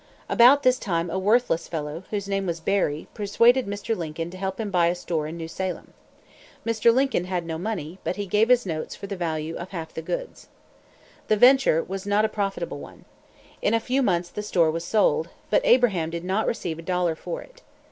About this time a worthless fellow, whose name was Berry, persuaded Mr. Lincoln to help him buy a store in New Salem. Mr. Lincoln had no money, but he gave his notes for the value of half the goods. The venture was not a profitable one. In a few months the store was sold; but Abraham did not receive a dollar for it.